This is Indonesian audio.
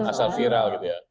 asal viral gitu ya